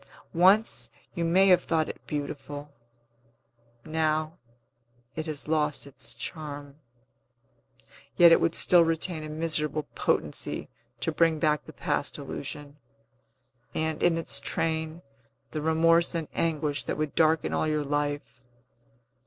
Once, you may have thought it beautiful; now, it has lost its charm. Yet it would still retain a miserable potency' to bring back the past illusion, and, in its train, the remorse and anguish that would darken all your life.